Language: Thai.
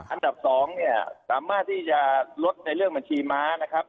อันดับ๒เนี่ยสามารถที่จะลดในเรื่องบัญชีม้านะครับ